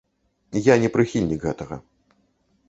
Я не прыхільнік гэтага.